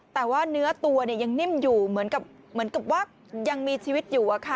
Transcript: แต่ว่าเนื้อตัวยังนิ่มอยู่เหมือนกับว่ายังมีชีวิตอยู่